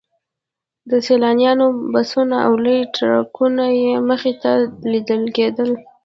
د سیلانیانو بسونه او لوی ټرکونه یې مخې ته لیدل کېدل.